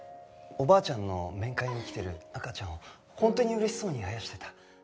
おばあちゃんの面会に来てる赤ちゃんを本当に嬉しそうにあやしてた。